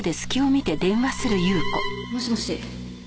もしもし。